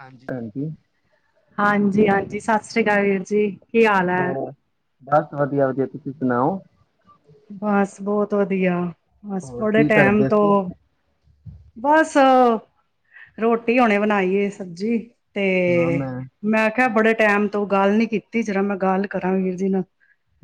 ਹਾਂਜੀ, ਹਾਂਜੀ ਹਾਂਜੀ, ਹਾਂਜੀ ਸਤਿ ਸ੍ਰੀ ਅਕਾਲ ਵੀਰ ਜੀ ਕੀ ਹਾਲ ਹੈ ਹੋਰ ਬਸ ਵਧੀਆ ਵਧੀਆ ਤੁਸੀਂ ਸੁਣਾਓ ਬਸ ਬਹੁਤ ਵਧੀਆ ਹੋਰ ਬਸਥੋੜੇ ਕੀ ਟਾਈਮ ਕਰਦੇ ਤੋਂ ਸੀ? ਬਸ ਰੋਟੀ ਹਣੇ ਬਣਾਈਏ ਸਬਜ਼ੀ ਤੇ ਮੈਂ ਆਖਿਆ ਬੜੇ ਟੈਮ ਤੋਂ ਗੱਲ ਨੀ ਕੀਤੀ ਜਿਰਾ ਮੈਂ ਗੱਲ ਕਰਾਂ ਵੀਰ ਜੀ ਨਾਲ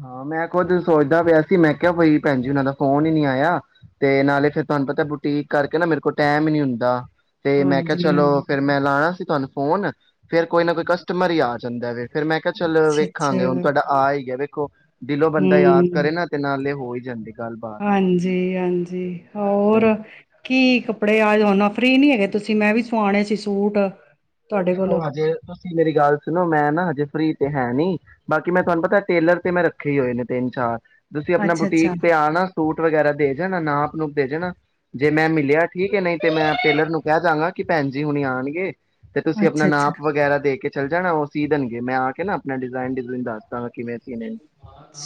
ਹਾਂ ਮੈਂ ਖੁੱਦ ਸੋਚਦਾ ਪਿਆ ਸੀ ਮੈਂ ਕਿਹਾ ਬਈ ਭੈਣਜੀ ਉਹਨਾਂ ਦਾ ਫ਼ੋਨ ਹੀ ਨਹੀਂੀ ਆਇਆ ਤੇ ਨਾਲੇ ਫੇਿਰ ਤੁਹਾਨੂੰ ਪਤਾ ਬੁਟੀਕ ਕਰਕੇ ਨਾ ਮੇਰੇ ਕੋਲ ਟੈਮ ਹੀ ਨੀ ਹੁੰਦਾ ਤੇ ਮੈਂ ਕਿਹਾ ਚਲੋ ਹਾਂਜੀ-ਹਾਂਜੀ ਫੇਰ ਮੈਂ ਲਾਣਾ ਸੀ ਤੁਹਾਨੂੰ ਫਨ ਫੇਰ ਕੋਈ ਨਾ ਕੋਈ ਕਸਟਮਰ ਹੀ ਆ ਜਾਂਦਾ ਵ ਫੇਿਰ ਮੈਂ ਕਿਹਾ ਚੱਲ ਵੇਖਾਂਗੇ ਹੁਣ ਅੱਛਾ-ਅੱਛਾ ਤੁਹਾਡਾ ਆ ਹੀ ਹੈ ਵ ਕੋ ਦਿਲੋਂ ਬੰਦਾ ਯਾਦ ਕਰੇ ਨਾ ਤੇ ਨਾਲੇ ਹੋ ਜਾਂਦੇ ਹਾਂਜੀ ਹਾਂਜੀ ਹੋਰ ਹਾਂਜੀ ਕੀ ਕੱਪੜੇ ਆਨਾ ਫ੍ਰਰੀ ਨੀ ਹੈਗੇ ਤੁਸੀਂ ਮੈਂ ਵੀ ਸਵਾਣੇ ਸੀ ਸੂਟ ਤੁਹਾਡੇ ਦੇਖੋ ਕੋਲੋਂ ਹਜੇ ਤੁਸੀਂ ਮੇਰੀ ਗੱਲ ਸੁਣੋ ਮੈਂ ਨਾ ਹਜੇ ਫਰੀ ਤੇ ਹੈ ਨੀ ਬਾਕੀ ਮੈਂ ਤੁਹਾਨੂੰ ਪਤਾ ਟੇਲਰ ਤੇ ਮੈਂ ਰੱਖੇ ਹੀ ਹੋਏ ਨੇ ਤਿੰਨ ਚਾਰ ਤੁਸੀਂ ਆਪਣਾ ਅੱਛਾ-ਅੱਛਾ, ਬੁਟੀਕ ਤੇ ਆਣਾ ਸੂਟ ਵਗੈਰਾ ਦੇ ਜਾਣਾ ਨਾ ਆਪ ਨੂੰਪ ਦੇ ਜਾਣਾ ਜੇ ਮੈਂ ਮਿਲਿਆ ਠੀਕ ਹੈ ਨਹੀਂ ਤੇ ਮੈਂ ਟੇਲਰ ਨੂੰ ਕਹਿ ਦਵਾਂਗਾ ਕਿ ਭੈਣ ਜਜੀ ਹੁਣੇ ਆਉਣਗੇ ਤੇ ਤੁਸੀਂ ਆਪਣਾ ਅੱਛਾ-ਅੱਛਾ ਨਾਪ ਵਗੈਰਾ ਦੇ ਕੇ ਚੱਲ ਜਾਣਾ ਉਹ ਸੀ ਦੇਣਗੇ ਮੈਂ ਆ ਕੇ ਨਾ ਆਪਣਾ ਡਿਜ਼ਾਇਨ ਡਿਜ਼ਨ ਦੱਸ ਦਾਂਗਾ ਕਿਵੇਂ ਸੀਨੇ ਨੇ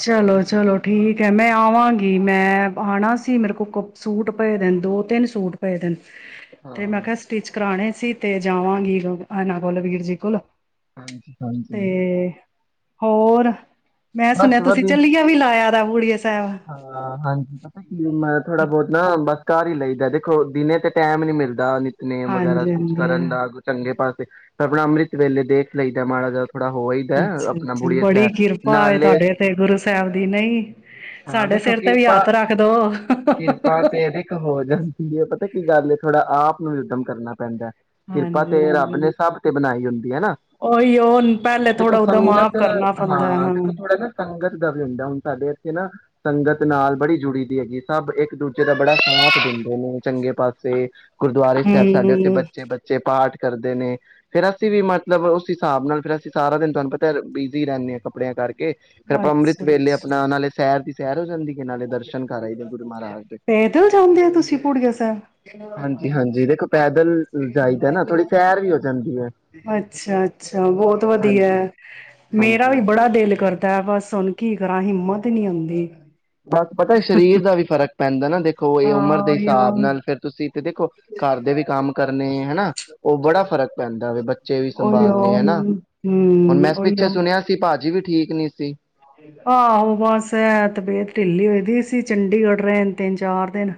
ਚਲੋ ਚਲੋ ਠੀਕ ਹੈ ਮੈਂ ਆਵਾਂਗੀ ਮੈਂ ਆਉਣਾ ਸੀ ਮੇਰੇ ਕੋਲ ਕ ਸੂਟ ਪਏ ਦਿਨ ਦੋ ਤਿੰਨ ਸੂਟ ਪਏ ਦਿਨ ਤੇ ਮੈਂ ਹਾਂ ਕਿਹਾ ਕਿਹਾ ਸਟਿਚ ਕਰਾਉਣੇ ਅਸੀਂ ਤੇ ਜਾਵਾਂਗੀ ਇਹਨਾਂ ਕੋਲ ਵੀਰ ਜੀ ਕੋਲ ਹਾਂ ਹਾਂ ਤੇ ਹੋਰ ਮੈਂ ਸੁਣਿਆ ਤੁਸੀਂ ਚਝੱਲੀਆਂ ਵੀ ਲਾਇਆ ੀ ਹਾਂ ਹਾਂਜੀ ਪਤਾ ਕੀ ਮੈਂ ਥੋੜਾ ਬਹੁਤ ਨਾ ਬਸ ਘਰ ਹੀ ਲਈਦਾ ਦੇਖੋ ਦਿਨੇ ਤੇ ਟਾਈਮ ਨੀ ਮਿਲਦਾ ਨੇੇਮ ਵਗੈਰਾ ਹਾਂਜੀ ਕੁਛ ਹਾਂਜੀ ਕਰਨ ਦਾ ਚੰਗੇ ਪਾਸੇ ਆਪਣਾ ਅੰਮ੍ਰਿਤ ਵੇਲੇ ਦੇਖ ਲਈਦਾ ਮਾੜਾ ਜਿਹਾ ਥੋੜਾ ਹੋ ਆਈਦਾ ਅੱਛਾ ਆਪਣਾ ਅੱਛਾ ਬੁੜੀਏ ਬੜੀ ਸਾਹਿਬ ਕਿਰਪਾ ਏ ਨਾਲੇ ਤੁਹਾਡੇ ਤੇ ਗੁਰੂ ਸਾਹਿਬ ਦੀ ਨਹੀਂ ਹਾਂ ਸਾਡੇ ਦੇਖੋ ਸਿਰ ਤੇ ਵੀ ਕਿਰਪਾ ਆਥ ਰੱਖਦੋ ਕਿਰਪਾ ਤੇ ਦੇਖੋ ਹੋ ਜਾਂਦੀ ਹੈ ਪਤਾ ਕੀ ਗੱਲ ਏ ਥੋੜਾ ਆਪ ਨੂੰ ਵੀ ਉੱਦਮ ਕਰਨਾ ਪੈਂਦਾ ਕਿਰਪਾ ਹਾਂਜੀ ਤੇ ਰੱਬ ਹਾਂਜੀ ਨੇ ਹਾਬ ਤੇ ਬਣਾਈ ਹੁੰਦੀ ਹੈ ਨਾ ਉਹੀ ਉਹ ਪਹਿਲੇ ਦੇਖੋ ਥੋੜਾ ਉਦਮ ਆਪ ਸੰਗਤ ਕਰਨਾ ਪੈਂਦਾ ਹਾਂ ਦੇਖੋ ਥੋੜਾ ਨਾ ਸੰਗਤ ਦਾ ਵੀ ਹੁੰਦਾ ਹੁਣ ਸਾਡੇ ਕਿ ਨਾ ਸੰਗਤ ਨਾਲ ਬੜੀ ਜੁੜੀ ਦੀ ਹੈਗੀ ਸਭ ਇੱਕ ਦੂਜੇ ਦਾ ਬੜਾ ਸਾਥ ਦਿੰਦੇ ਨੇ ਚੰਗੇ ਪਾਸੇ ਗੁਰਦੁਆਰੇ ਸਾਹਿਬ ਸਾਡੇ ਉੱਥੇ ਹੂੰ, ਬੱਚੇ ਬੱਚੇ ਪਾਠ ਕਰਦੇ ਨੇ ਫੇਰ ਅਸੀਂ ਵੀ ਮਤਲਬ ਉਸ ਹਿਸਾਬ ਨਾਲ ਫਿਰ ਅਸੀਂ ਸਾਰਾ ਦਿਨ ਤੁਹਾਨੂੰ ਪਤਾ ਬਿਜ਼ੀ ਰਹਿੰਦੇ ਹਾਂ ਕੱਪੜਿਆਂ ਕਰਕੇ ਕੇ ਫੇਿਰ ਆਪਾਂ ਅੰਮ੍ਰਿਤ ਅੱਛਾ ਵੇਲੇ ਅੱਛਾ ਆਪਣਾ ਉਹੇ ਸ਼ਹਿਰ ਦੀ ਸਹਿਰੋ ਨਾਲੇ ਦਰਸ਼ਨ ਕਰ ਰਹੇ ਨੇ ਗੁਰੂ ਮਹਾਰਾਜ ਦੇ ਪੈਦਲ ਜਾਂਦੇ ਹੋ ਤੁਸੀਂ ਪੂੜੀਆ ਸਾਹਿਬ? ਹਾਂਜੀ ਹਾਂਜੀ ਦੇਖੋ ਪੈਦਲ ਜਾਈਦਾ ਨਾ ਥੋੜ੍ਹੀ ਸੈਰ ਵੀ ਹੋ ਜਾਂਦੀ ਹੈ ਅੱਛਾ ਅੱਛਾ ਬਹੁਤ ਵਧੀਆ ਹਾਂਜੀ ਮੇਰਾ ਵੀ ਹਾਂਜੀ ਬੜਾ ਦਿਲ ਕਰਦਾ ਹੈ ਬਸ ਸੁਣ ਕੀ ਤਰ੍ਹਾਂ ਹਿੰਮਤ ਨਹੀਂੀ ਆਉਂਦੀ ਬਸ ਪਤਾ ਸਰੀਰ ਦਾ ਵੀ ਫ਼ਰਕ ਪੈਂਦਾ ਨਾ ਦੇਖੋ ਇਹ ਹਾਂ ਉਮਰ ਦੇ ਉਹੀਓ ਹਿਸਾਬ ਨਾਲ ਫੇਿਰ ਤੁਸੀਂਥ ਦੇਖੋ ਘਰ ਦੇ ਵੀ ਕੰਮ ਕਰਨੇ ਹਨਾ ਉਹ ਬੜਾ ਫਰਕ ਪੈਂਦਾ ਵ ਬੱਚੇ ਵੀ ਉਹੀਓ ਸੰਭਾਲੇ ਹਨਾ ਹੁਣ ਹੂੰ ਮੈਂ ਪਿੱਛੇ ਸੁਣਿਆ ਸੀ ਭਾਜੀ ਵੀ ਠੀਕ ਨਹੀਂੀ ਸੀ ਆਹ ਉਹ ਬਸ ਐ ਤ ਬੇਤ ਢਿੱਲੀ ਹੋਦੀ ਸੀ ਚੰਡੀਗੜ੍ਹ ਰਹਿਣ ਤਿੰਨ ਚਾਰ ਦਿਨ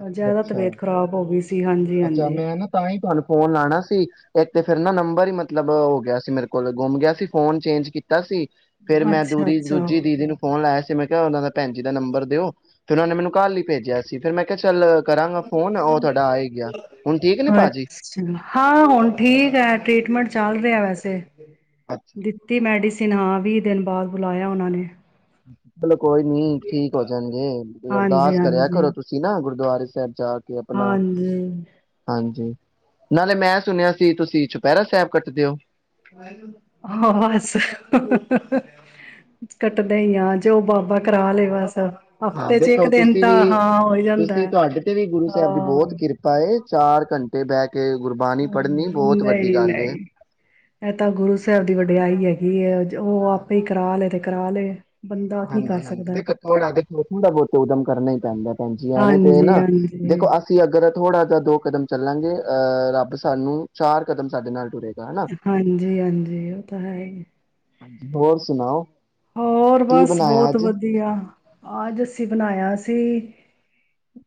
ਅੱਛਾ ਜ਼ਿਆਦਾ ਅੱਛਾ ਤਬੀਅਤ ਖ਼ਰਾਬ ਹੋ ਗਈ ਸੀ ਹਾਂਜੀ ਅੱਛਾ ਹਾਂਜੀ ਮੈਂ ਨਾ ਤਾਂ ਹੀ ਤੁਹਾਨੂੰ ਫੋਨ ਲਾਣਾ ਸੀ ਇੱਕ ਤੇ ਫਿਰ ਨਾ ਨੰਬਰ ਹੀ ਮਬ ਮਤਲਬ ਹੋ ਗਿਆ ਸੀ ਮੇਰੇ ਕੋ ਕੋਲ ਗੁੰਮ ਗਿਆ ਸੀ ਫੋਨ ਚੇਂਜ ਕੀਤਾ ਸੀ ਫੇਿਰ ਮੈਂ ਦੂ ਅੱਛਾ ਦੂਜੀ ਅੱਛਾ। ਦੀਦੀ ਨੂੰ ਫੋਨ ਲਾਇਆ ਸੀ ਮੈਂ ਕਿਹਾ ਉਹਨਾਂ ਦਾ ਭੈਣ ਜੀ ਦਾ ਨੰਬਰ ਦਿਓ ਫਿਰ ਉਹ ਨੇ ਮੈਨੂੰ ਕਾਲ ਹੀ ਭੇਜਿਆ ਸੀ ਫਿਰ ਮੈਂ ਚੱਲ ਕਰਾਂਗਾ ਫੋਨ ਉਹ ਤੁਹਾਡਾ ਆ ਹੀ ਗਿਆ ਹੁਣ ਠੀਕ ਨੇ ਭਾਜੀ ਅੱਛਾ ਹਾਂ ਹੁਣ ਠੀਕ ਹੈ ਟ੍ਰੀਟਮੈਂਟ ਚੱਲ ਰਿਹਾ ਵੈਸੇ ਅੱਛਾ ਦਿੱਤੀ ਮੈਡੀਸਿਨ ਹਾਂ ਵੀਹ ਦਿਨ ਬਾਅਦ ਬੁਲਾਇਆ ਉਹਨਾਂ ਨੇ ਚਲੋ ਕੋਈ ਨੀ ਠੀਕ ਹੋ ਜਾਣਗੇੇ ਹਾਂਜੀ, ਅਰਦਾਸ ਕਰਿਆ ਹਾਂਜੀ, ਕਰਰੋ ਤੁਸੀਂ ਨਾ ਗੁਰ ਦੁਆ ਸਾਹਿਬ ਜਾ ਕੇ ਆਪਣਾ ਹਾਂਜੀ ਹਾਂਜੀ ਨਾਲੇ ਮੈਂ ਸੁਣਿਆ ਸੀ ਤੁਸੀਂ ਚੁਪਹਿਰਾ ਸਾਹਿਬ ਕੱਟਦੇ ਹੋ ਹਾਂ ਬਸ ਕੱਟਦੇ ਹੀ ਆ ਜੋ ਉਹ ਬਾਬਾ ਕਰਾ ਲਏ ਬਸ ਹਾਂ ਹਫ਼ਤੇ ਚ ਇੱਕ ਦੇਖੋ ਦਿਨ ਤੁਸੀਂ ਵੀ ਤਾਂ ਹਾਂ ਹੋ ਹੀ ਜਾਂਦਾ ਤੁਸੀਂ ਹੈ। ਤੁਹਾਡੇ ਤੇ ਵੀ ਗੁਰੂ ਸਾਹਿਬ ਦੀ ਹਾਂ, ਬਹੁਤ ਕਿਰਪਾ ਚਾਰ ਘੰਟੇ ਬਹਿ ਕੇ ਗੁਰਬਾਣੀ ਹਾਂ ਪੜ੍ਹਨੀ ਨਹੀਂ ਬਹੁਤ ਵੱਡੀ ਗੱਲ ਏ ਨਹੀਂ ਇਹ ਤਾਂ ਗੁਰੂ ਸਾਹਿਬ ਦੀ ਵੱਡੇ ਆਈ ਹੈਗੀ ਇਹ ਉਹ ਆਪੇ ਹੀ ਕਰਾ ਲੈਦੇ ਕਰਾ ਲਏ ਬੰਦਾ ਕੀ ਕਰ ਹਾਂਜੀ ਹਾਂਜੀ ਸਕਦਾ ਦੇਖੋ ਥੋੜਾ ਦੇਖੋ ਥੋੜਾ ਬਹੁਤ ਉਦਮ ਕਰਨਾ ਹੀ ਪੈਂਦਾ ਭੈਣਜੀ ਐਵੇਂ ਤੇ ਹਾਂਜੀ, ਨਾ ਹਾਂਜੀ। ਦੇਖੋ ਅਸੀਂ ਅਗਰ ਥੋੜਾ ਜਿਹਾ ਦੋ ਕਦਮ ਚੱਲ ਕਰ ਲਾਂਗੇ ਅਹ ਰੱਬ ਸਾਨੂੰ ਚਾਰ ਕਦਮ ਸਾਡੇ ਨਾਲ ਟੁਰੇਗਾ ਹਨਾ ਹਾਂਜੀ ਹਾਂਜੀ ਉਹ ਤਾਂ ਹੈ ਹੀ ਹਾਂਜੀ ਹੋਰ ਸੁਣਾਓ ਹੋਰ ਕੀ ਬਸ ਬਣਾਇਆ ਬਹੁਤ ਅੱਜ ਵਧੀਆ ਆਜ ਅਸੀਂ ਬਣਾਇਆ ਸੀ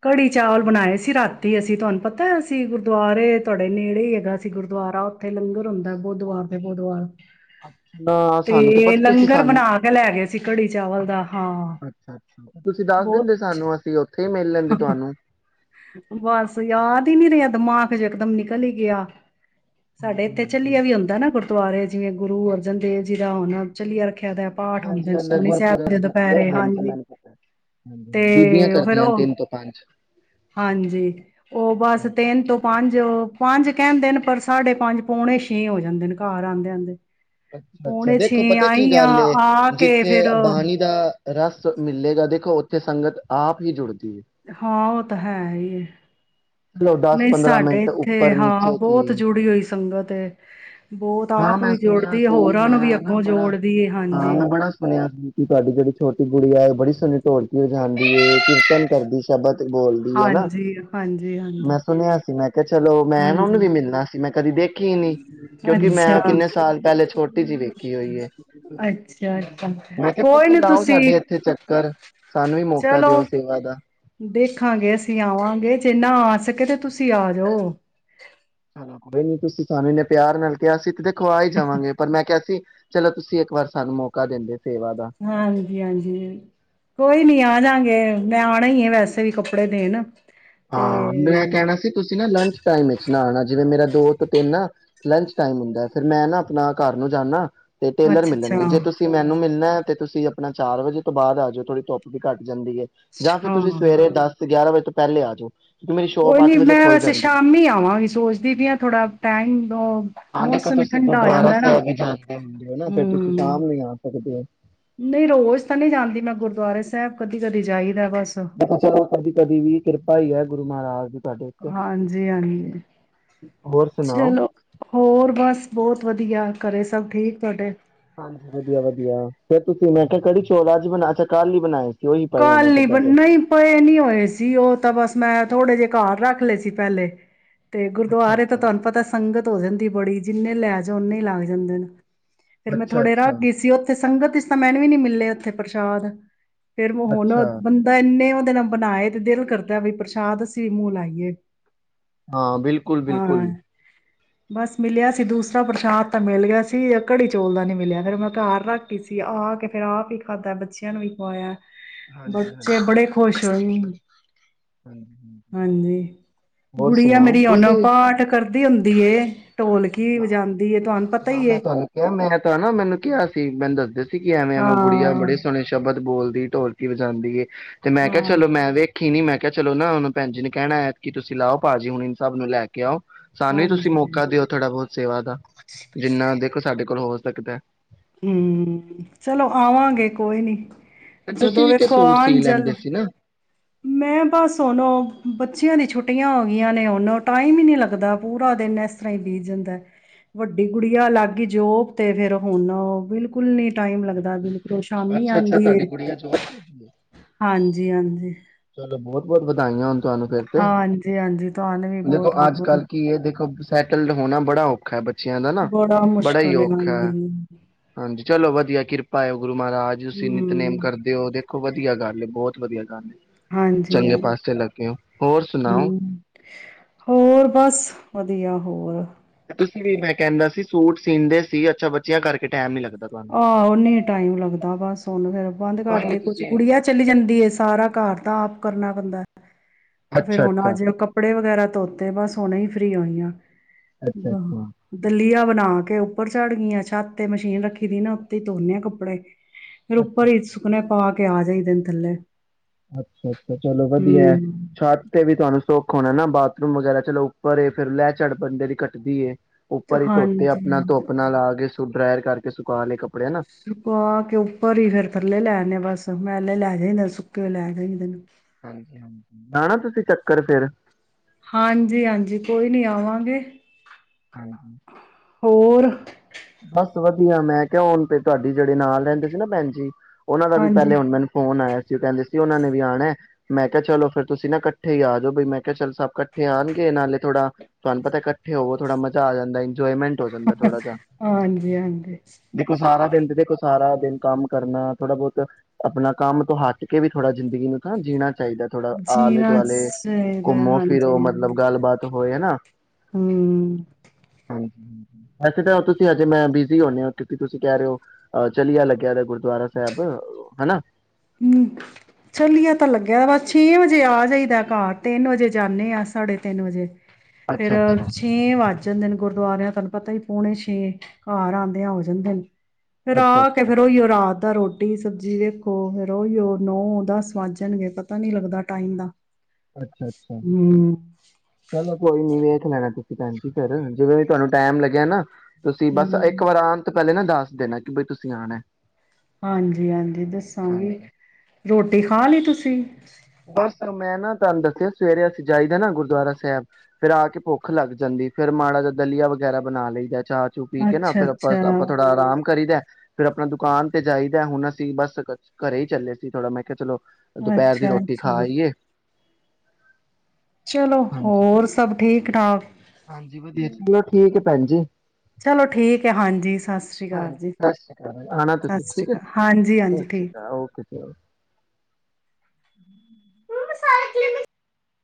ਕੜੀ ਚਾਵਲ ਬਣਾਏ ਸੀ ਰਾਤੀ ਅਸੀਂ ਤੁਹਾਨੂੰ ਪਤਾ ਅਸੀਂ ਗੁਰਦੁਆਰੇ ਤੁਹਾਡੇ ਨੇੜੇ ਹੀ ਹੈਗਾ ਸੀ ਗੁਰਦੁਆਰਾ ਉੱਥੇ ਲੰਗਰ ਹੁੰਦਾ ਬੁਦਵਾਰ ਤੇ ਬੁਦਵਾਰ ਅੱਛ ਨਾ ਸਾਨੂੰ ਤੇ ਪਤਾ ਤੁਸੀਂ ਲੰਗਰ ਸਾਨੂੰ ਬਣਾ ਕੇ ਲੈ ਗਏ ਸੀ ਘੜੀ ਚਾਵਲ ਦਾ ਹਾਂ ਅੱਛਾ ਬਹੁਤ ਓਥੇ ਮਿਲ ਲੈਂਦੇ ਤੁਹਾਨੂੰ ਬਸ ਯਾਦ ਹੀ ਨੀ ਰਿਹਾ ਦਿਮਾਗ ਚਕਦਮ ਨਿਕਲ ਹੀ ਗਿਆ ਸਾਡੇ ਹਾਂਜੀ ਇੱਥੇ ਹਾਂਜੀ ਚੱਲਆ ਵੀ ਹੁੰਦਾ ਨਾ ਗੁਰਦੁਆਰੇ ਜਿਵੇਂ ਗੁਰੂ ਅਰਜਨ ਦੇਵ ਜੀ ਦਾ ਹੁਣ ਚੱਲੀਆ ਹਾਂਜੀ ਹੁੰਦਾ ਗੁਰਪੁਰਬ ਤੱਕ, ਹਾਂਜੀ ਮੈਨੂੰ ਪਤਾ ਤੇ ਬੀਬੀਆਂ ਫੇਰ ਕਰਦੀਆਂ ਉਹ ਤਿੰਨ ਤੋਂ ਪੰਜ। ਹਾਂਜੀ, ਉਹ ਬਸ ਤਿੰਨ ਤੋਂ ਪੰਜ ਜੋ ਪੰਜ ਕਹਿੰਦੇ ਨੇ, ਪਰ ਸਾਡੇ ਪੰਜ ਪਉਣੇ ਛੇ ਹੋ ਜਾਂਦੇ ਨੇ ਘਰ ਆਉਂਦੇ ਆਉਂਦੇ। ਅੱਛਾ ਅੱਛਾ ਪੌਣੇ ਛੇ ਦੇਖੋ ਪਤਾ ਕੀ ਆਈ ਆ ਗੱਲ ਆ ਕੇ ਜਿੱਥੇ ਫੇਰ ਬਾਣੀ ਦਾ ਰਸ ਮਿਲੇਗਾ ਦੇਖੋ ਉਥੇ ਸੰਗਤ ਆਪ ਹੀ ਜੁੜਦੀ ਹੈ ਹਾਂ ਉਹ ਤਾਂ ਹੈ ਹੀ। ਚਲੋ ਦਸ ਨਹੀਂ ਪੰਦਰਾਂ ਸਾਡੇ ਮਿੰਟ ਇੱਥੇ ਉੱਪਰ ਹਾਂ ਨੀਚੇ ਕੀ ਬਹੁਤ ਜੁੜੀ ਹੋਈ ਸੰਗਤ। ਤੇ ਹਾਂ ਮੈਂ ਸੁਣਿਆ ਸੀ, ਮੈਂ ਨਾ ਅੱਗੋਂ ਬੜਾ ਜੋੜਦੀ ਹੈ ਹਾਂ ਹਾਂਜੀ ਮੈਂ ਬੜਾ ਸੁਣਿਆ ਸੀ ਕਿ ਤੁਹਾਡੀ ਜਿਹੜੀ ਛੋਟੀ ਗੁੜੀਆ ਹੈ। ਬੜੀ ਸੋਹਣੀ ਢੋਲਕੀ ਵਜਾਂਦੀ ਏ ਕੀਰਤਨ ਕਰਦੀ ਸ਼ਬਦ ਬੋਲਦੀ ਹੈ ਨਾ ਹਾਂਜੀ ਹਾਂਜੀ ਮੈਂ ਹਾਂਜੀ ਸੁਣਿਆ ਸੀ, ਮੈਂ ਕਿਹਾ ਚਲੋ ਮੈਂ ਨਾ ਉਹਨੂੰ ਵੀ ਹਾਂਜੀ ਮਿਲਣਾ ਸੀ ਮੈਂ ਕਦੀ ਦੇਖੀ ਹੀ ਨਹੀਂ। ਕਿਉਂਕਿ ਮੈਂ ਅੱਛਾ ਕਿੰਨੇ ਸਾਲ ਪਹਿਲੇ ਛੋਟੀ ਜਿਹੀ ਵੇਖੀ ਹੋਈ ਹੈ ਅੱਛਾ ਅੱਛਾ ਮੈਂ ਕਿਹਾ ਕੋਈ ਨੀ ਲਾਓ ਤੁਸੀਂ ਸਾਡੇ ਇੱਥੇ ਚੱਕਰ ਸਾਨੂੰ ਵੀ ਮੌਕਾ ਚਲੋ ਦਿਓ ਦੇਖ ਸੇਵਾ ਦਾ ਦੇਖਾਂਗੇ ਅਸੀਂ ਆਵਾਂਗੇ ਜੇ ਨਾ ਆ ਸਕੇ ਤੇ ਤੁਸੀਂ ਆ ਜਾਓ। ਚਲੋ ਕੋਈ ਨੀ ਤੁਸੀਂ ਸਾਨੂੰ ਇਨੇ ਪਿਆਰ ਨਾਲ ਤੇ ਅਸੀਂ ਦੇਖੋ ਆ ਹੀ ਜਾਵਾਂਗੇ ਪਰ ਮੈਂ ਕਿਹਾ ਸੀ ਚਲੋ ਤੁਸੀਂ ਇੱਕ ਵਾਰ ਸਾਨੂੰ ਮੌਕਾ ਦਿੰਦੇ ਹੋ। ਹਾਂਜੀ ਹਾਂਜੀ ਕੋਈ ਨੀ ਆ ਜਾਂਗੇ। ਮੈਂ ਆਉਣਾ ਈ ਹੈ ਵੈਸੇ ਵੀ ਕੱਪੜੇ ਦੇਣ। ਤੇ ਹਾਂ ਮੈਂ ਕਹਿਣਾ ਸੀ, ਤੁਸੀਂ ਨਾ ਲੰਚ ਟਾਈਮ ਵਿੱਚ ਨਾ ਆਉਣਾ ਜਿਵੇਂ ਮੇਰਾ ਦੋ ਤੋਂ ਤਿੰਨ ਨਾ ਲੰਚ ਟਾਈਮ ਹੁੰਦਾ ਫਿਰ ਮੈਂ ਨਾ ਆਪਣਾ ਘਰ ਨੂੰ ਜਾਂਦਾ ਤੇ ਟੇਲਰ ਅੱਛਾ ਮਿਲਣਗੇ ਅੱਛਾ ਜੇ ਤੁਸੀਂ ਮੈਨੂੰ ਮਿਲਣਾ ਤੇ ਤੁਸੀਂ ਆਪਣਾ ਚਾਰ ਵਜੇ ਤੋਂ ਬਾਅਦ ਆ ਜਾਓ ਥੋੜੀ ਧੁੱਪ ਵੀ ਘੱਟ ਜਾਂਦੀ ਹੈ ਜਾਂ ਫਿਰ ਤੁਸੀਂ ਹਾਂ ਸਵੇਰੇ ਦਸ, ਗਿਆਰਾਂ ਵਜੇ ਤੋਂ ਪਹਿਲੇ ਆ ਆ ਜੋ। ਕੋਈ ਨੀ ਮੈਂ ਵੈਸੇ ਸ਼ਾਮੀ ਆਵਾਂਗੀ ਸੋਚਦੀ ਪਈ ਹਾਂ ਥੋੜਾ ਟਾਈਮ ਹਾਂ ਦੇਖੋ ਮੌਸਮ ਵੀ ਤੁਸੀਂ ਠੰਡਾ ਹੋ ਗੁਰਦੁਆਰਾ ਜਾਂਦਾ ਹੈਨਾ ਸਾਹਿਬ ਵੀ ਜਾਂਦੇ ਹੁੰਦੇ ਹੋ ਨਾ ਫਿਰ ਤੁਸੀਂ ਸ਼ਾਮ ਹੂੰ, ਨੂੰ ਹੀ ਆ ਸਕਦੇ ਹੋ ਨਹੀਂ ਰੋਜ਼ ਤਾਂ ਨਹੀਂ ਜਾਂਦੀ ਮੈਂ ਗੁਰਦੁਆਰੇ। ਸਾਹਿਬ ਕਦੀ-ਕਦੀ ਜਾਈ ਚਲੋ, ਕਦੀ-ਕਦੀ ਵੀ, ਕਿਰਪਾ ਹੀ ਹੈ ਗੁਰੂ ਮਹਾਰਾਜ ਦੀ ਤੁਹਾਡੇ ਉੱਤੇ ਹਾਂਜੀ-ਹਾਂਜੀ, ਹੋਰ ਸੁਣਾਓ ਚਲੋ ਹੋਰ ਬਸ, ਬਹੁਤ ਵਧੀਆ। ਵਧਿਆ, ਘਰੇ ਸਭ ਠੀਕ ਤੁਹਾਡੇ। ਹਾਂਜੀ, ਵਧੀਆ-ਵਧੀਆ ਫੇਰ ਤੁਸੀਂ ਮੈਂ ਕਿਹਾ ਕੜੀ ਚੋਲ ਅੱਜ ਹੀ ਬਣਾੲਏ, ਅਛਾ ਕਾਲ ਨੀ ਬਣਾਏ। ਸੀ ਉਹੀ ਪਏ ਹੋਣੇ ਕਲ ਫਿਰ ਹੀ, ਤੁਹਾਡੇ ਨਹੀਂ ਪਏ ਨਹੀਂ ਹੋਏ ਸੀ ਉਹ ਤਾ ਬਸ ਮੈਂ ਥੋੜੇ ਜਿਹੇ ਘਾਰ ਰੱਖ ਲਏ ਸੀ ਪਹਿਲੇ। ਤੇ ਅੱਛਾ ਗੁਰਦੁਆਰੇ ਤਾਂ ਅੱਛਾ ਤੁਹਾਨੂੰ ਪਤਾ, ਸੰਗਤ ਹੋ ਜਾਂਦੀ ਬੜੀ ਜਿੰਨਨੀ ਲੈ ਜਾਓ, ਓਨੇ ਲੱਗ ਜਾਂਦੇ ਨੇ। ਫੇਰ, ਮੈਂ ਅੱਛਾ ਥੋੜੇ ਰਖ ਅੱਛਾ ਗਈ ਸੀ ਉੱਥੇ। ਸੰਗਤ ਵਿਚ ਮੈਨੂੰ ਵੀ ਨੀ ਮਿਲਿਆ ਉੱਥੇ ਪ੍ਰਸ਼ਾਦ। ਫੇਰ ਹੁਣ ਅੱਛਾ ਬੰਦਾ ਇੰਨੇ ਜੇ ਬਨਾਏ ਤੇ ਦਿਲ ਕਰਦਾ ਵੇ ਪ੍ਰਸ਼ਾਦ ਅਸੀਂ ਵੀ ਮੂੰਹ ਲਾਈਏ। ਹਾਂ ਬਿਲਕੁਲ ਹਾਂ, ਬਿਲਕੁਲ ਬਸ ਮਿਲਿਆ ਸੀ ਦੂਸ ਪ੍ਰਸ਼ਾਦ ਤਾਂ ਮਿਲ ਗਿਆ ਸੀ, ਘੜੀ ਚੌਲ ਦਾ ਨਹੀਂ ਮਿਲਿਆ ਫੇਿਰ ਮੈਂ ਘਰ ਰੱਖ ਗਈ ਸੀ ਆਕੇ ਫੇਿਰ ਆਪ ਹੀ ਖਾਧਾ, ਬੱਚਿਆਂ ਨੂੰ ਵੀ ਖਵਾਇਆ। ਹਾਂਜੀ ਹਾਂਜੀ ਬੱਚੇ, ਬੜੇ ਹਾਂਜੀ ਖੁਸ਼। [unintelligible] ਹਾਂਜੀ, ਹੋਰ ਗੁੜੀਆਂ ਸੁਣਾਓ ਮੇਰੀ ਓਨ ਤੁਸੀਂ ਪਾਠ ਕਰ ਵਧੀ ਹੁੰਦੀ ਹੈ। ਹਾਂ, ਮੈਂ ਤੁਹਾਨੂੰ ਕਿਹਾ ਮੈਂ ਤਾਂ ਨਾ ਮੈਨੂੰ ਕਿਹਾ ਸੀ ਮੈਨੂੰ ਦੱਸਦੇ। ਕਿ ਐਵੇਂ-ਐਵੇਂ ਗੁੜਿਆ, ਹਾਂ ਬੜੇ ਸੋਹਣੇ ਸ਼ਬਦ ਬੋਲਦੀ ਢੋਲਕੀ ਜਾਂਦੀ ਹੇ। ਤੇ ਮੈਂ ਕਿਹਾ, ਹਾਂ ਚਲੋ ਮੈਂ ਵੇਖੀ ਨਹੀ ਮੈਂ। ਕਿਹਾ ਚਲੋ ਨਾ ਭੈਣ ਜੀ ਨੇ ਕਹਿਣਾ ਐਤਕੀ ਤੁਸੀਂ ਲਾਓ ਭਾਜੀ ਸਾਹਿਬ ਨੂੰ ਲੈ ਕੇ ਆਓ। ਸਾਨੂੰ ਹੀ ਤੁਸੀਂ ਹਾਂਜੀ ਮੌਕਾ ਦਿਓ। ਥੋੜਾ ਬਹੁਤ ਸੇਵਾ ਦਾ, ਜਿੰਨਾ ਦੇਖੋ ਸਾਡੇ ਕਰੋ ਹੋ ਸਕਦਾ। ਹੂੰ, ਚਲੋ ਆਵਾਂਗੇ, ਕੋਈ ਨੀ ਤੇ ਤੁਸੀਂ ਜਦੋਂ ਵੀ ਤੇ ਵੇਖੋ ਸੂਟ ਸੀ ਲੈਂਦੇ ਅਣ-ਜੱਲ ਸੀ ਨਾ ਮੈਂ ਬਸ ਹੁਨ ਬੱਚਿਆਂ ਦੀ ਛੁੱਟੀ ਛੁੱਟੀਆਂ ਹੋ ਗਈਆਂ ਨੇ ਹੁਣ, ਟਾਈਮ ਹੀ ਨੀ ਲੱਗਦਾ ਪੂਰਾ ਦਿਨ ਇਸ ਤਰ੍ਹਾਂ ਹੀ ਬੀਤ ਜਾਂਦਾ ਏ, ਵੱਡੀ ਗੁੜੀਆ ਲੱਗ ਗਈ ਜੋਬ ਤੇ ਫਿਰ ਹੁਣ ਹਾਂ, ਬਿਲਕੁਲ ਨੀ ਟਾਈਮ ਲੱਗਦਾ ਬਿਲਕੁਲ ਔ, ਸ਼ਾਮੀ ਅੱਛਾ ਅੱਛਾ ਆਉਂਦੀ ਏ, ਤੁਹਾਡੀ ਗੁੜੀਆ ਜੋਬ ਕਰਦੀ ਹੈ ਹਾਂਜੀ-ਹਾਂਜੀ। ਚਲੋ ਬਹੁਤ ਬਹੁਤ ਵਧਾਈਆਂ ਹੋਨ। ਤੁਹਾਨੂੰ ਫਿਰ ਤੇ, ਹਾਂਜੀ ਤੁਹਾਨੂੰ ਵੀ ਦੇਖੋ ਬਹੁਤ ਬਹੁਤ ਵਧਾਈ। ਆਜ-ਕੱਲ ਕੀ ਇਹ ਦੇਖੋ ਸੈਟਲਡ ਹੋਣਾ ਬੜਾ ਔਖਾ ਹੈ ਬੱਚ ਚੱਯਾਂ ਦਾ ਨਾ ਬੜਾ ਹੀ ਔਖਾ ਹੈ, ਹਾਂਜੀ ਚਲੋ ਵਧੀਆ ਕਿਰਪਾ ਐ ਗੁਰੂ ਮਹਾਰਾਜ ਤੁਸੀਂ ਨਿਤਨੇਮ ਹੂੰ ਕਰਦੇ ਹੋ ਉਹਦੇ ਦੇਖੋ ਵਧੀਆ ਗੱਲ ਏ, ਬਹੁਤ ਵਧੀਆ ਗੱਲ ਏ। ਹਾਂਜੀ-ਹਾਂਜੀ ਹੋਰ ਸੁਣਾਓ ਹੂੰ, ਹੋਰ ਬਸ ਵਧੀਆ। ਹੋਰ ਤੁਸੀਂ ਵੀ ਮੈਂ ਕਹਿੰਦਾ ਸੀ ਸੂਟ ਸੀਂਦੇ ਸੀ, ਅੱਛਾ ਬੱਚਿਆਂ ਕਰਕੇ ਟੈਮ ਨੀ ਲੱਗਦਾ। ਤੁਹਾਨੂੰ ਆਹੋ ਨੀ ਟਾਈਮ ਲੱਗਦਾ, ਬਸ ਹੁਨ ਫੇਰ ਬੰਦ ਕਰ ਕੋਈ ਨੀ ਤੇ, ਕੁਛ ਤੁਸੀਂ ਗੁੜੀਆ ਚਲੀ ਜਾਂਦੀ ਸਾਰਾ ਘਰ ਦਾ ਆਪ ਕਰਨਾ ਬੰਦਾ ਉਹ ਫੇਰ ਅੱਛਾ ਹੁਣ ਅੱਛਾ ਅੱਜ ਕੱਪੜੇ ਵ ਵਗੈਰਾ ਧੋਤੇ ਬਸ ਹੁਣੇ ਹੀ ਫਰੀ ਹੋਈ ਆਂ। ਅੱਛਾ ਅੱਛਾ ਬਾਹ ਦਲੀਆ ਬਣਾ ਕੇ ਉੱਪਰ ਚੜ ਗਈ ਆਂ ਛੱਤ ਤੇ ਮਸ਼ੀਨ ਰੱਖੀ ਦੇ ਨਾ ਉੱਤੇ ਹੀ ਧੋਨੀ ਆਂ ਕੱਪੜੇ। ਫੇਰ ਉੱਪਰ ਅੱਛਾ ਈ ਸੁਕਨੇ ਪਾ ਕੇ ਤੇ ਆ ਜਾਈ ਦਿਨ ਥੱਲੇ ਅੱਛਾ-ਅੱਛਾ, ਚਲੋ ਵਧੀਆ ਐ, ਹੂੰ ਛੱਤ ਤੇ ਵੀ ਤੁਹਾਨੂੰ ਸੋਕ ਹਨਾ ਬਾਥਰੂਮ ਵਗੈਰਾ ਚੱਲੋ ਉੱਪਰ ਏ, ਫੇਰ ਲਹਿ ਚੜ ਬੰਦੇ ਦੀ ਕੱਟਦੀ ਏ। ਤੇ ਉੱਪਰ ਹੀ ਧੋਤੇ, ਹਾਂਜੀ ਆਪਣਾ ਹਾਂਜੀ ਧੁੱਪ ਨਾਲ ਲਾ ਕੇ ਸੋ ਡਰਾਇਰ ਕਰਕੇ ਤੇ ਸੁਕਾ ਲੇ ਕਪ ਸੁੁਕਾ ਕੇ ਉੱਪਰ ਹੀ ਫੇਰ ਥੱਲੇ ਲੈ ਆਨੇ ਬਸ। ਮੈਲੇ ਲੈ ਜਾਈਦਾ, ਸੁੱਕੇ ਲੈ ਜਾਂਦੇਨ। ਹਾਂਜੀ-ਹਾਂਜੀ, ਲਾਣਾ ਤੁਸੀਂ ਚੱਕਰ ਫੇਰ। ਹਾਂਜੀ-ਹਾਂਜੀ ਕੋਈ ਨੀ ਆਵਾਂਗੇ। ਹਾਂਜੀ। ਹੋਰ ਬਸ ਵਧੀਆ, ਮੈਂ ਕਿਹਾ ਹੁਣ ਤੇ ਤੁਹਾਡੀ ਜਿਹੜੇ ਨਾਲ ਰਹਿੰਦੇ ਸੀ ਨਾ ਭੈਣ ਜੀ ਉਹਨਾਂ ਦਾ ਵੀ ਪਹਿਲੇ ਹਾਂਜੀ ਹੁਣ ਮੈਨੂੰ ਫੋਨ ਆਇਆ ਉਹ ਕਹਿੰਦੇ ਸੀ ਉਹਨਾ ਨੇ ਵੀ ਆਣਾ ਐ, ਮੈਂ ਕਿਹਾ ਚਲੋ ਫੇਰ ਤੁਸੀਂ ਨਾ ਇਕੱਠੇ ਹੀ ਆ ਜਾਓ, ਬਈ ਮੈਂ ਕਿਹਾ ਚਲ ਸਭ ਇਕੱਠੇ ਆਣਗੇ ਨਾਲੇ ਥੋੜਾ ਤੁਹਾਨੂੰ ਪਤਾ ਇਕੱਠੇ ਹੋਵੋ ਥੋੜਾ ਮਜ਼ਾ ਆ ਜਾਂਦਾ ਇੰਜੋਮੈਂਟ ਹੋ ਜਾਂਦਾ ਥੋੜਾ ਜਾ। ਹਾਂਜੀ ਹਾਂਜੀ ਦੇਖੋ ਸਾਰਾ ਦਿਨ ਤੇ ਸਾਰਾ ਦਿਨ ਕੰਮ ਕਰਨਾ ਥੋੜਾ ਬਹੋਤ ਆਪਣਾ ਕੰਮ ਤੋਂ ਹਟ ਕੇ ਵੀ ਥੋੜਾ ਜ਼ਿੰਦਗੀ ਨੂੰ ਤਾਂ ਜੀਣਾ ਚਾਹੀਦਾ, ਥੋੜਾ ਆਲੇ ਜੀਣਾ ਦੁਆਲੇ ਚਾਹੀਦਾ ਘੁੰਮੋ ਫਿਰੋ ਹਾਂਜੀ ਮਤਲਬ ਗੱਲਬਾਤ ਹੋਏ ਹੈ ਨਾ? ਹੂੰ। ਵੈਸੇ ਤਾਂ ਉਹ ਤੁ ਹਜੇ ਮੈਂ ਬਿਜ਼ੀ ਹੁੰਦੇ ਹਾਂ ਕਿਉਂਕਿ ਤੁਸੀਂ ਕਹਿ ਰਹੇ ਹੋ ਅ ਚਲਆ ਲੱਗਿਆ ਗੁਰਦੁਆਰਾ ਸਾਹਿਬ ਹਨਾ। ਹੂੰ ਚੱਲੀਆ ਤਾਂ ਲੱਗਿਆ ਬਸ ਛੇ ਵਜੇ ਆ ਜਾਈਦਾ ਘਰ ਤਿੰਨ ਵਜੇ ਜਾਂਦੇ ਆ ਸਾਢੇ ਤਿੰਨ ਵਜੇ ਫੇਰ ਅੱਛਾ ਅੱਛਾ ਛੇਂ ਵੱਜ ਜਾਂਦੇ ਨੇ ਗੁਰਦੁਆਰਿਆਂ ਤੁਹਾਨੂੰ ਪਤਾ ਹੀ ਪੋਣੇ ਛੇ ਘਰ ਆਉਂਦਿਆਂ ਹੋ ਜਾਂਦੇ ਨੇ। ਫੇਰ ਅੱਛਾ ਆ ਕੇ ਅੱਛਾ ਫੇਰ ਉਹੀਓ ਰਾਤ ਤਾਂ ਰੋਟੀ ਸਬਜ਼ੀ ਵੇ ਉ ਫਿਰ ਉਹੀ ਉਹ ਨੌ ਦਸ ਵੱਜ ਜਾਣਗੇ ਪਤਾ ਨੀ ਲੱਗਦਾ ਟਾਈਮ ਦਾ ਅੱਛਾ -ਅੱਛਾ ਹੂੰ, ਚਲੋ ਕੋਈ ਨੀ ਵੇ ਥ ਲੈਣਾ ਤੁਸੀਂ ਭੈਣ ਜ ਸਰ ਜਿਵੇਂ ਤੁਹਾਨੂੰ ਟਾਈਮ ਲੱਗਿਆ ਨਾ ਤੁਸੀਂ ਬਸ ਇੱਕ ਵਾਰ ਆਉਣ ਤੋਂ ਪਹਿਲੇ ਨਾ ਦੱਸ ਦੇਣਾ ਕਿ ਬਈ ਤੁਸੀਂ ਆਣਾ। ਹਾਂਜੀ -ਹਾਂਜੀ ਦੱਸਾਂਗੀ ਹਾਂਜੀ ਰੋਟੀ ਖਾ ਲਈ ਤੁਸੀਂ ਬਸ ਮੈਂ ਨਾ ਤੁਹਾਨੂੰ ਦੱਸਿਆ ਸਵੇਰੇ ਅਸੀਂ ਜਾਈਦਾ ਨਾ ਗੁਰਦੁਆਰਾ ਸਾਹਿਬ ਫੇਰ ਆ ਕੇ ਭੁੱਖ ਲੱਗ ਜਾਂਦੀ ਫੇਰ ਮਾੜਾ ਜ ਦਲੀਆ ਵਗੈਰਾ ਬਣਾ ਲਈ ਦਾ ਚਾਹ ਚੂ ਪੀ ਕੇ ਨਾ ਅੱਛਾ ਫੇਰ ਆਪਾਂ ਅੱਛਾ ਆਪਾਂ ਥੋੜਾ ਆਰਾਮ ਕਰੀ ਦਾ। ਫੇਿਰ ਆਪਣਾ ਦੁਕਾਨ ਤੇ ਜਾਈਦਾ ਹੁਣ ਅਸੀਂ ਬਸ ਘਰੇ ਹੀ ਚੱਲੇ ਸੀ ਥੋੜਾ ਮੈਂ ਕਿਹਾ ਚਲੋ ਦੁਪਹਿਰ ਦੀ ਅੱਛਾ ਰੋਟੀ ਅੱਛਾ ਖਾਈਏ। ਚਲੋ ਹਾਂਜੀ ਹੋਰ ਸਭ ਠੀਕ ਠਾਕ। ਭੈਣਜੀ ਚਲੋ ਠੀਕ ਹੈ ਹਾਂਜੀ, ਸਤਿ ਸ੍ਰੀ ਅਕਾਲ ਹਾਂਜੀ ਜੀ, ਸਤਿ ਸ਼੍ਰੀ ਅਕਾਲ ਆਣਾ ਸਤਿ ਤੁਸੀਂ ਸ੍ਰੀ ਠੀਕ ਹੈ ਅਕਾਲ, ਸਤਿ ਹਾਂਜੀ-ਹਾਂਜੀ ਸ਼੍ਰੀ ਠੀਕ ਅਕਾਲ ਓਕੇ ਜੀ [unintelligible]